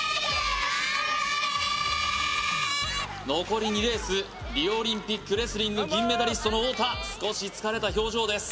頑張れ残り２レースリオオリンピックレスリング銀メダリストの太田少し疲れた表情です